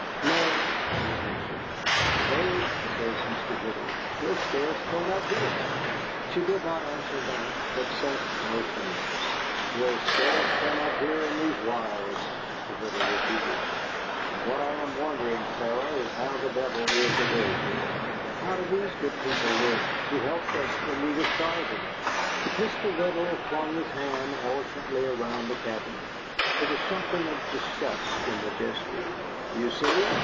"No," she answered. "Faith," says Mr. Riddle, "he'll scarce turn up here." She did not answer that, but sat motionless. "He'll scarce turn up here, in these wilds," Mr. Riddle repeated, "and what I am wondering, Sarah, is how the devil we are to live here." "How do these good people live, who helped us when we were starving?" Mr. Riddle flung his hand eloquently around the cabin. There was something of disgust in the gesture. "You see!"